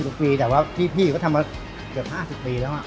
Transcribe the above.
ก็มี๒๐๒๖ปีแต่ว่าพี่พี่ก็ทำมาเกือบ๕๐ปีแล้ว